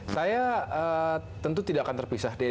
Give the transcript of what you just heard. saya tentu tidak akan terpisah